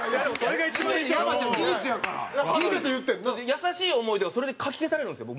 優しい思い出をそれでかき消されるんですよ